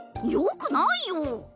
よくないよ！